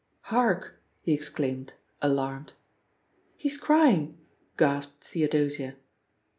!arkl'' he exclaimed, alarmed. 'He's crying I" gasped Theodosia.